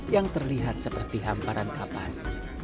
yang terlihat seperti hamparan kapas